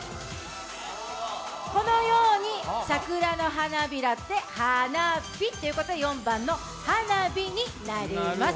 このように桜の花びらで「花び」ということで４番の花火になります。